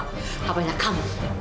papa yang bunuh kamu